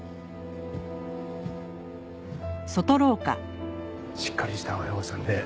しっかりした親御さんでよかったね。